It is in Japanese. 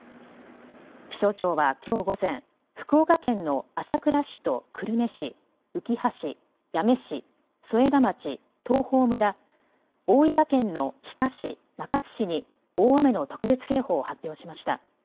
気象庁はきょう午前福岡県の朝倉市と久留米市うきは市、八女市添田町、東峰村大分県の日田市、中津市に大雨の特別警報を発表しました。